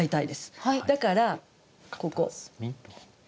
だからここ。